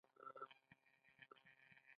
وینزې او مرییان یې بازارانو ته وروستلي دي.